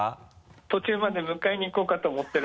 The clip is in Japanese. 途中まで迎えに行こうかと思ってる。